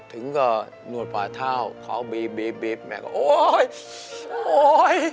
ถึงก็นวดปลาเท้าเขาเบบแม่ก็โอ๊ย